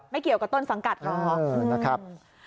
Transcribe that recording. ไม่เกี่ยวกับต้นสังกัดเหรอนะครับ